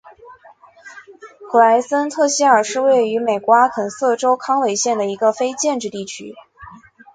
普莱森特希尔是位于美国阿肯色州康韦县的一个非建制地区。